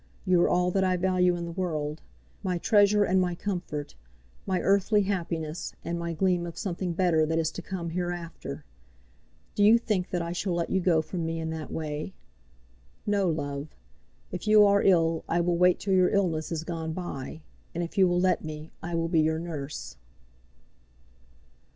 You are all that I value in the world, my treasure and my comfort, my earthly happiness and my gleam of something better that is to come hereafter. Do you think that I shall let you go from me in that way? No, love. If you are ill I will wait till your illness is gone by; and, if you will let me, I will be your nurse."